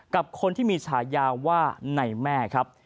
กับคนที่มีฉายาว่าในแม่ครับ